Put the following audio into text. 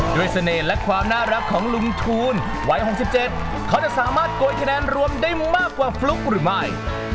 เสน่ห์และความน่ารักของลุงทูลวัย๖๗เขาจะสามารถโกยคะแนนรวมได้มากกว่าฟลุ๊กหรือไม่